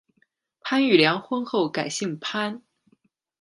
潘玉良婚后改姓潘。